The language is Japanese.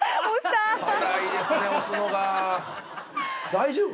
大丈夫？